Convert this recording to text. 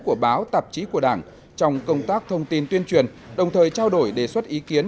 của báo tạp chí của đảng trong công tác thông tin tuyên truyền đồng thời trao đổi đề xuất ý kiến